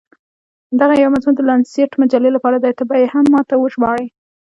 دغه یو مضمون د لانسیټ مجلې لپاره دی، ته به يې ما ته وژباړې.